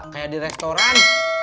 kayak di restoran